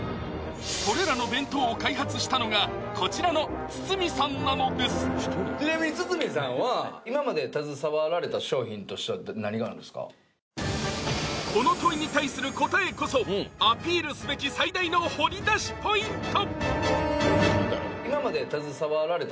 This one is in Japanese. それらの弁当を開発したのがこちらの堤さんなのですちなみに堤さんはこの問いに対する答えこそアピールすべき最大の掘り出しポイント！